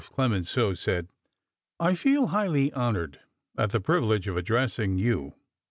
Clemenceau said: "I feel highly honored at the privilege of addressing you.